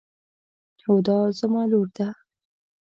هُدا زما لور ده.